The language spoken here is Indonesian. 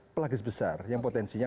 pelagis besar yang potensinya